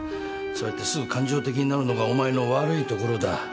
そうやってすぐ感情的になるのがお前の悪いところだ。